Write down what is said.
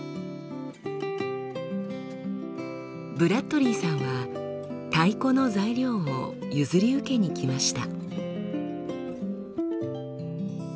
ブラッドリーさんは太鼓の材料を譲り受けに来ました。